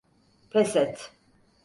Pes et!